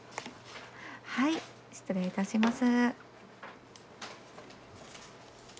はい失礼いたします。